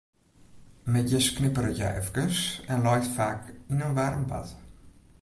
Middeis knipperet hja efkes en leit faak yn in waarm bad.